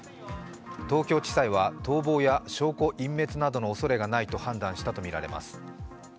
東京地裁は逃亡や証拠隠滅などのおそれがないと判断したとみられます。